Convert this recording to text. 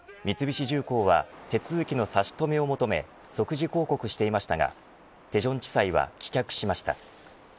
三菱重工は手続きの差し止めを求め即時抗告していましたが大田地裁は棄却しました。